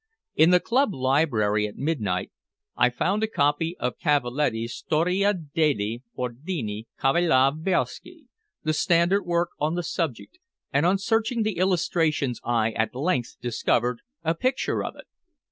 In the club library at midnight I found a copy of Cappelletti's Storia degli Ordini Cavallereschi, the standard work on the subject, and on searching the illustrations I at length discovered a picture of it.